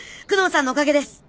久能さんのおかげです。